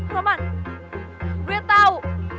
roman gue tau